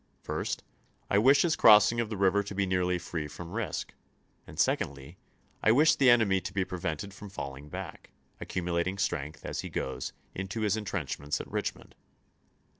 First, I wish his crossing of the river to be nearl}^ free from risk ; and, secondly, I wish the enemy to be prevented from falling back, accumulating strength as he goes, into his intrenchments at Richmond."